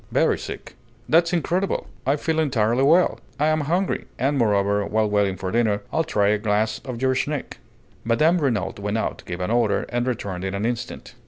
"Very sick." "That's incredible! I feel entirely well; I'm hungry; and moreover, while waiting for dinner I'll try a glass of your schnick." Mme. Renault went out, gave an order, and returned in an instant.